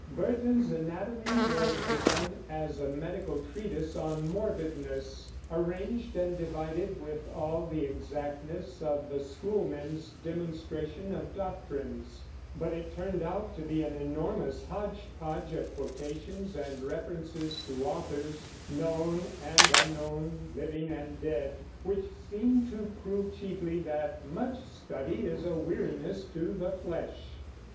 Burton's Anatomy was begun as a medical treatise on morbidness, arranged and divided with all the exactness of the schoolmen's demonstration of doctrines; but it turned out to be an enormous hodgepodge of quotations and references to authors, known and unknown, living and dead, which seemed to prove chiefly that "much study is a weariness to the flesh."